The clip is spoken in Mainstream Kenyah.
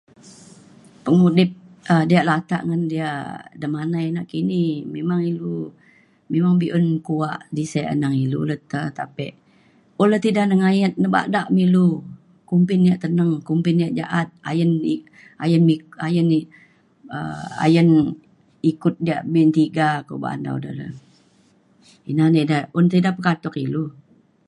pengudip um diak latak ngan diak demanai nakini memang ilu memang be'un kuak di sek eneng ilu le tapi un la ti ida nengayet bada me ilu kumbin ia' teneng kumbin ia' ja'at ayen i- ayen mi- ayen um ayen ikut diak be'un tiga ko ba'an dau da le ina na ida un ti ida pekatuk ilu